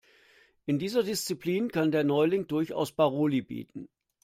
In dieser Disziplin kann der Neuling durchaus Paroli bieten.